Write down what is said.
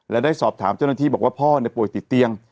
และได้สอบถามเจ้าหน้าที่บอกว่าพ่อป่วยติดเตียง